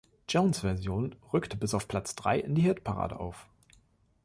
Jones’ Version rückte bis auf Platz drei in die Hitparade auf.